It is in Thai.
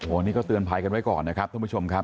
วันนี้ก็เตือนภัยกันไว้ก่อนนะครับท่านผู้ชมครับ